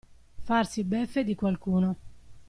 Farsi beffe di qualcuno.